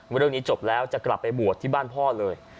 เรื่องนี้จบแล้วจะกลับไปบวชที่บ้านพ่อเลย